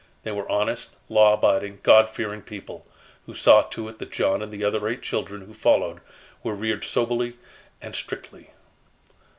They were honest, law abiding, God fearing people, who saw to it that John and the other eight children who followed were reared soberly and strictly.